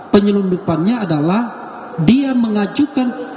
penyelundupannya adalah dia mengajukan